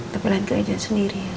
tapi lain lain aja sendiri ya